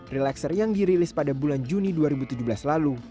relaxer yang dirilis pada bulan juni dua ribu tujuh belas lalu